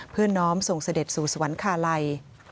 เพื่อน้อมส่งเสด็จสู่สวรรคาไล